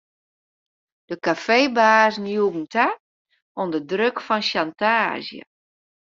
De kafeebazen joegen ta ûnder druk fan sjantaazje.